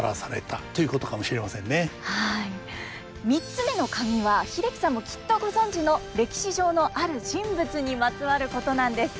３つ目のカギは英樹さんもきっとご存じの歴史上のある人物にまつわることなんです。